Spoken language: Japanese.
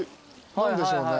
何でしょうね。